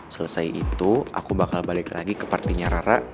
selesai itu aku bakal balik lagi ke partinya rara